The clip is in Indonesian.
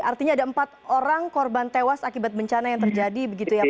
artinya ada empat orang korban tewas akibat bencana yang terjadi begitu ya pak